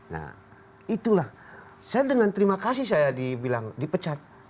nah itulah saya dengan terima kasih saya dibilang dipecat